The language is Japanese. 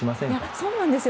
そうなんですよ。